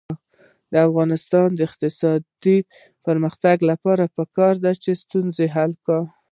د افغانستان د اقتصادي پرمختګ لپاره پکار ده چې ستونزه حل کړو.